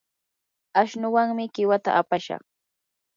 ashnuwanmi qiwata apashaq.